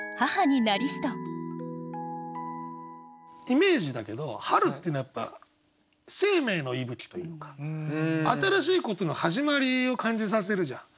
イメージだけど春っていうのはやっぱ生命の息吹というか新しいことの始まりを感じさせるじゃん。